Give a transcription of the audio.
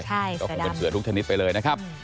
ใช่เสือดำคือเป็นเสือทุกชนิดไปเลยนะครับ